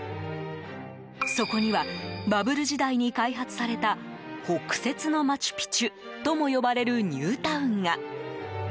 そこにはバブル時代に開発された北摂のマチュピチュとも呼ばれるニュータウンが。